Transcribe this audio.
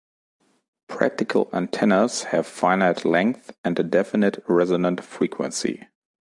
Practical antennas have finite length and a definite resonant frequency.